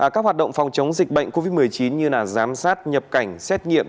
các hoạt động phòng chống dịch bệnh covid một mươi chín như giám sát nhập cảnh xét nghiệm